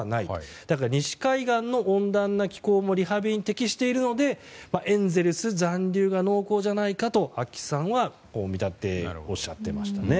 また西海岸の温暖な気候もリハビリに適しているのでエンゼルス残留が濃厚じゃないかとＡＫＩさんは見立てをおっしゃってました。